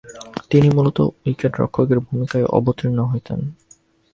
তিনি মূলতঃ উইকেট-রক্ষকের ভূমিকায় অবতীর্ণ হতেন।